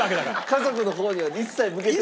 家族の方には一切向けてない。